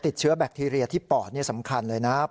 ติดเชื้อแบคทีเรียที่ปอดสำคัญเลยนะฮะ